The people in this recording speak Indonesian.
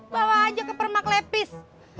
bawa aja ke permak lepis